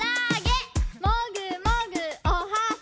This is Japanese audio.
もぐもぐおはし！